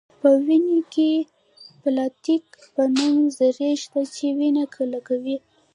په وینه کې د پلاتیلیت په نوم ذرې شته چې وینه کلکوي